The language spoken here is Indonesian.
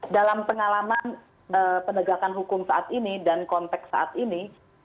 dalam pengalaman penegakan hukum saat ini dan konteks saat ini